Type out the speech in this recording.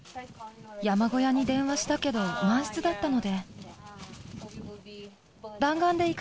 山小屋に電話したけど、満室だったので。